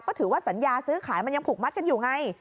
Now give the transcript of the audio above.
ก็ถือว่าสัญญาซื้อขายมันยังผูกมัดกันอยู่ไง